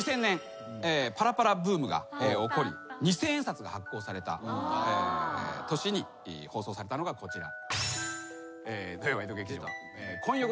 パラパラブームが起こり二千円札が発行された年に放送されたのがこちら。